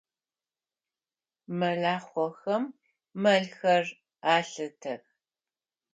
Мэлахъохэм мэлхэр алъытэх.